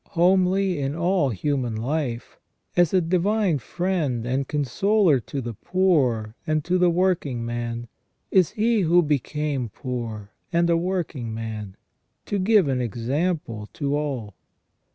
Homely in all His human life, as a divine friend and consoler to the poor and to the working man, is He who became poor, and a working man, to give an example to all.